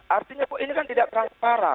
artinya ini kan tidak transparan